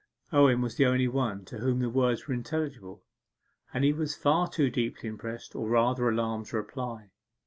Owen was the only one to whom the words were intelligible, and he was far too deeply impressed, or rather alarmed, to reply.